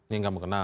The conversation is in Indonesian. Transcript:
yang kamu kenal